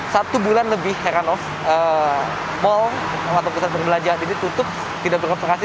satu bulan lebih heranov mal atau pusat perbelanjaan ini tutup tidak beroperasi